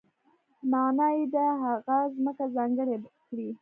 معنا یې ده هغه ځمکه ځانګړې کړه.